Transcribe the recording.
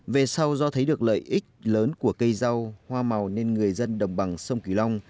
về sau do thấy được lợi ích lớn của cây rau hoa màu nên người dân đồng bằng sông kỳ long